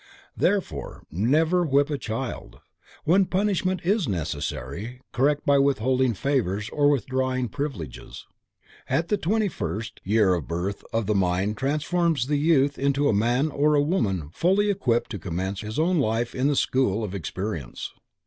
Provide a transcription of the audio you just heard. Therefore, never whip a child; when punishment is necessary, correct by withholding favors or withdrawing privileges. At the twenty first year the birth of the mind transforms the youth into a man or a woman fully equipped to commence his own life in the school of experience.